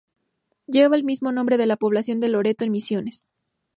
Lleva el mismo nombre que la población de Loreto en Misiones.